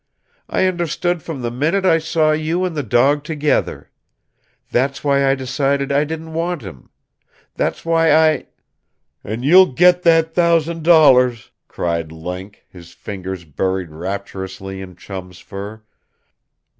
I understood from the minute I saw you and the dog together. That's why I decided I didn't want him. That's why I " "An' you'll get that thousand dollars!" cried Link, his fingers buried rapturously in Chum's fur.